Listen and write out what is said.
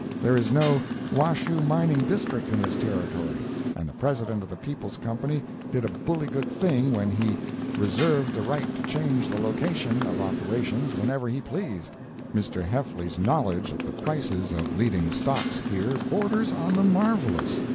There is no "Washoe Mining District" in this Territory, and the President of the People's Company did a bully good thing when he "reserved the right to change the location" of operations whenever he pleased. Mr. Heffly's knowledge of the prices of leading stocks here borders on the marvelous.